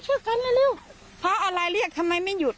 ให้พระอะไรเรียกเข้ามัยไม่หยุด